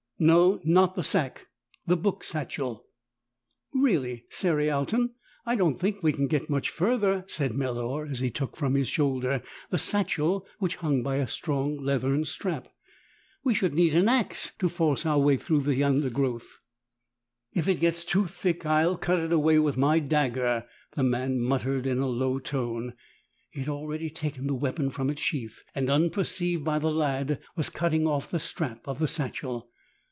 "No, not the sack, the book satchel." "Really, Cerialton, I don't think we can get much further," said Melor as he took from his shoulder the satchel which hung by a strong leathern strap. "We should need an axe to force our way through this undergrowth." "If it gets too thick I'll cut it away with my dagger," the man muttered in a low tone. He had already taken the weapon from its sheath and, unperceived by the lad, was cutting off the strap of the satchel.